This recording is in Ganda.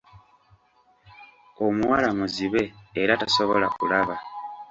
Omuwala muzibe era tasobola kulaba.